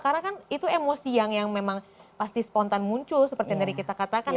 karena kan itu emosi yang memang pasti spontan muncul seperti yang tadi kita katakan